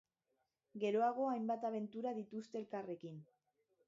Geroago hainbat abentura dituzte elkarrekin.